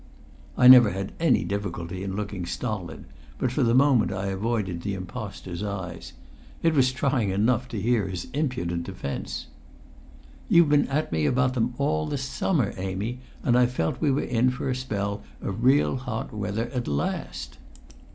I never had any difficulty in looking stolid, but for the moment I avoided the impostor's eyes. It was trying enough to hear his impudent defence. "You've been at me about them all the summer, Amy, and I felt we were in for a spell of real hot weather at last."